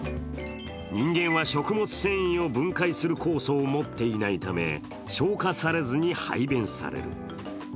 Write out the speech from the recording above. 人間は食物繊維を分解する酵素を持っていないため消化されずに排便される。